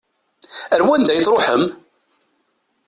Ar wanda i tṛuḥem?